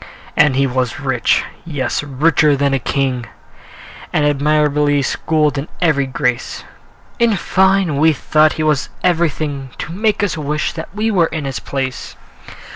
And he was rich, yes, richer than a king, And admirably schooled in every grace: In fine, we thought that he was everything To make us wish that we were in his place.